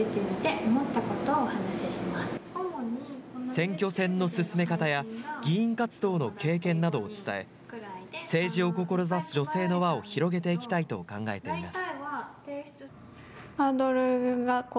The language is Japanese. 選挙戦の進め方や議員活動の経験などを伝え、政治を志す女性の輪を広げていきたいと考えています。